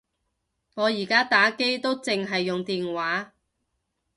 我而家打機都剩係用電話